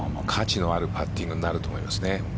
価値のあるパッティングになると思います。